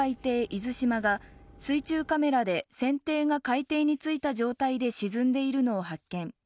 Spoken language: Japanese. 「いずしま」が水中カメラで船底が海底についた状態で沈んでいるのを発見。